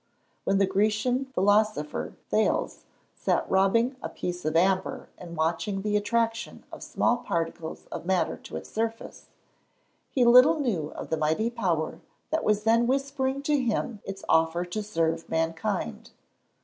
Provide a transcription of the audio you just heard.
When the Grecian philosopher, Thales, sat rubbing a piece of amber, and watching the attraction of small particles of matter to its surface, he little knew of the mighty power that was then whispering to him its offer to serve mankind.